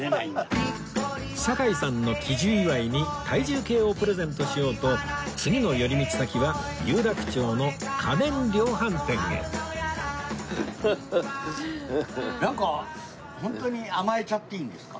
堺さんの喜寿祝いに体重計をプレゼントしようと次の寄り道先は有楽町の家電量販店へなんかホントに甘えちゃっていいんですか？